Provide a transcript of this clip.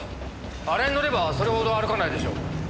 あれに乗ればそれほど歩かないでしょう。